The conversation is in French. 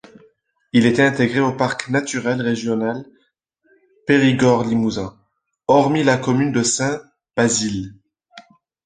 Il était intégré au Parc naturel régional Périgord-Limousin, hormis la commune de Saint-Bazile.